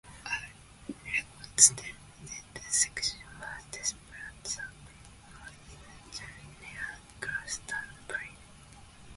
A reconstructed section was displayed at the Peat Moors Centre near Glastonbury.